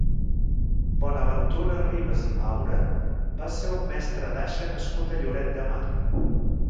Bonaventura Ribas i Maura va ser un mestre d'aixa nascut a Lloret de Mar.